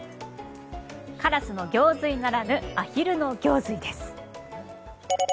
カラスの行水ならぬアヒルの行水です。